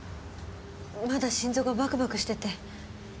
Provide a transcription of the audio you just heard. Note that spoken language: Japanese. まだ心臓がバクバクしてて。